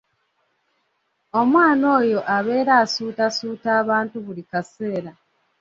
Omwana oyo abeera asuutasuuta abantu buli kaseera.